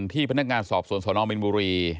ที่พนักงานสอบสวนสนมินบุรี